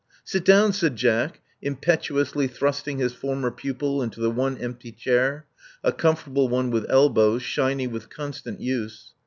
*'Sit down," said Jack, impetuously thrusting his former pupil into the one empty chair, a comfortable one with elbows, shiny with constant use.